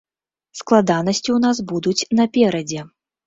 Складанасці ў нас будуць наперадзе.